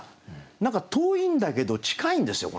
何か遠いんだけど近いんですよ